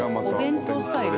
お弁当スタイル？